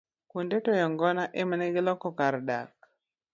Kuonde toyo ng'ona emane giloko kar dak.